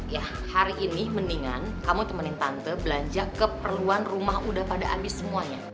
ya hari ini mendingan kamu temenin tante belanja keperluan rumah udah pada habis semuanya